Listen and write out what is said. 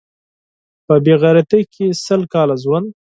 په بې غیرتۍ کې سل کاله ژوند